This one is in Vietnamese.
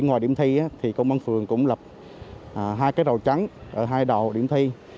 ở điểm thi công an phường cũng lập hai cái rào trắng ở hai đầu điểm thi